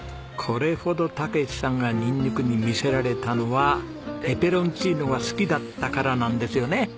これほど武史さんがニンニクに魅せられたのはペペロンチーノが好きだったからなんですよね！